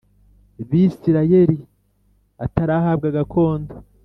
Bisirayeli atarahabwa gakondo